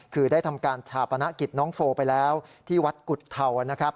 คือได้ทำการชาปนกิจน้องโฟไปแล้วที่วัดกุฎเทานะครับ